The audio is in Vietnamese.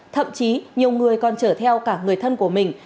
thậm chí nhiều người còn chở theo cả người thân của mình